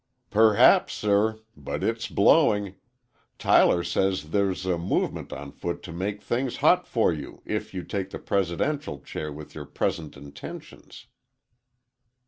"Perhaps, sir. But it's blowing. Tyler says there's a movement on foot to make things hot for you if you take the Presidential chair with your present intentions."